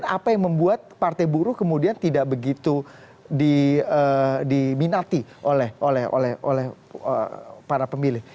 apa yang membuat partai buruh kemudian tidak begitu diminati oleh para pemilih